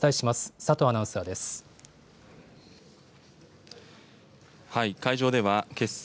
佐藤アナウンサーです。